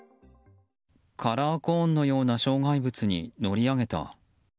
カラーコーンのような障害物に乗り上げた。